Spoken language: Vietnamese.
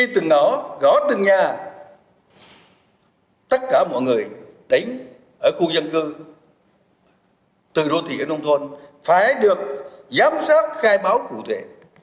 từng nhà tất cả mọi người đánh ở khu dân cư từ rô thị ở nông thôn phải được giám sát khai báo cụ thể